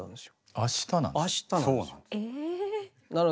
あしたなんですよ。